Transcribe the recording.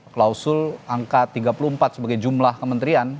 klausul angka tiga puluh empat sebagai jumlah kementerian